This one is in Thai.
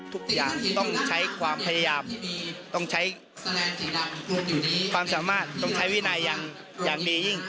ทุกอย่างต้องใช้ความพยายามต้องใช้ความสามารถต้องใช้วินัยอย่างดียิ่ง